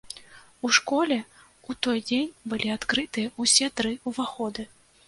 У школе ў той дзень былі адкрытыя ўсе тры ўваходы.